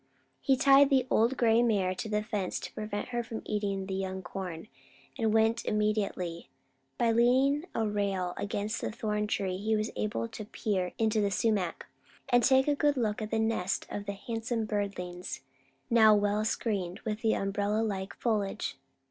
He tied the old gray mare to the fence to prevent her eating the young corn, and went immediately. By leaning a rail against the thorn tree he was able to peer into the sumac, and take a good look at the nest of handsome birdlings, now well screened with the umbrella like foliage.